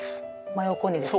真横にですか？